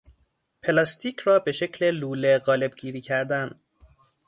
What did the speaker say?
پلاستیک را به شکل لوله قالبگیری کردن